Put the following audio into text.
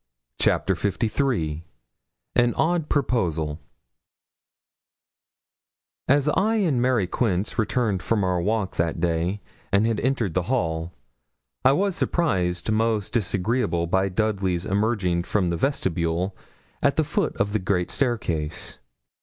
CHAPTER LIII AN ODD PROPOSAL As I and Mary Quince returned from our walk that day, and had entered the hall, I was surprised most disagreeably by Dudley's emerging from the vestibule at the foot of the great staircase.